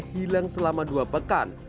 hilang selama dua pekan